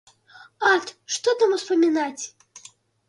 Ат, што там успамінаць!